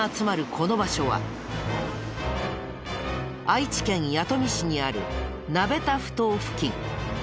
この場所は愛知県弥富市にある鍋田埠頭付近。